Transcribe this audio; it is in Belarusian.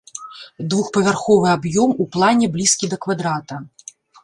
Двухпавярховы аб'ём, у плане блізкі да квадрата.